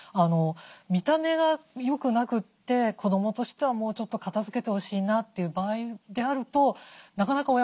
見た目が良くなくて子どもとしてはもうちょっと片づけてほしいなという場合であるとなかなか親御さんもね